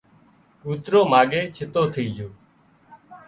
ڪوترو ماڳئي ڇتو ٿئي جھو